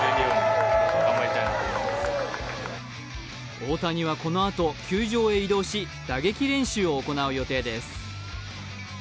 大谷はこのあと球場へ移動し打撃練習を行う予定です。